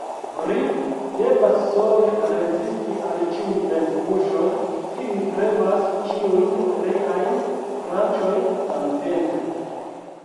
Ri devas sole rezisti al ĉiuj ventpuŝoj, kiuj premas ĉiujn riajn branĉojn samtempe.